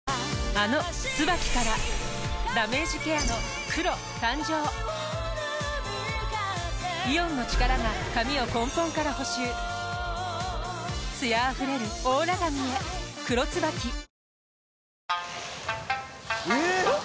あの「ＴＳＵＢＡＫＩ」からダメージケアの黒誕生イオンの力が髪を根本から補修艶あふれるオーラ髪へ「黒ＴＳＵＢＡＫＩ」えーっ！？